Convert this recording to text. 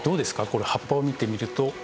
これ葉っぱを見てみると。